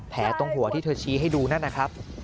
ตรงหัวที่เธอชี้ให้ดูนั่นนะครับ